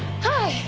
はい！